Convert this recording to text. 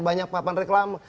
banyak papan reklama